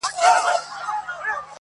و قاضي صاحب ته ور کړې زر دیناره-